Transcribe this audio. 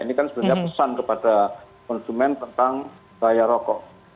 ini kan sebenarnya pesan kepada konsumen tentang bahaya rokok